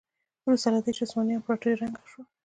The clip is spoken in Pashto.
وروسته له دې چې عثماني امپراتوري ړنګه شوه.